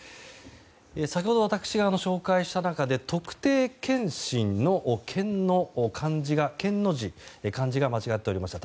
先ほど私が紹介した中で特定検診の検の漢字が間違っておりました。